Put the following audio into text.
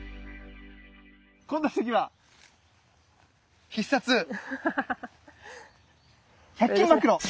こんな時は必殺１００均マクロ。